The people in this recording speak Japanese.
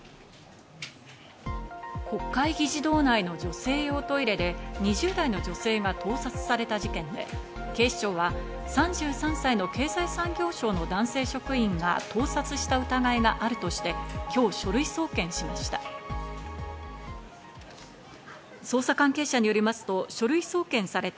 国会議事堂内の女性用トイレで２０代の女性が盗撮された事件で、警視庁は３３歳の経済産業省の男性職員が盗撮した疑いがあるとして今日、書類送検しました。